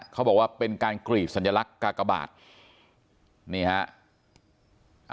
เขาบอกว่าเป็นการกรีดสัญลักษณ์กากบาทนี่ฮะ